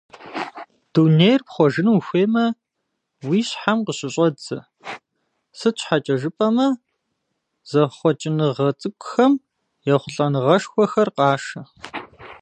Дунейр пхъуэжыну ухуеймэ, уи щхьэм къыщыщӀэдзэ, сыт щхьэкӀэ жыпӀэмэ, зэхъуэкӀыныгъэ цӀыкӀухэм ехъулӀэныгъэшхуэхэр къашэ.